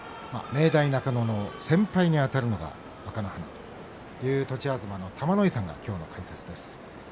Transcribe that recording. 明大中野の先輩にあたるのが若乃花という栃東の玉ノ井さんがきょうの解説です。。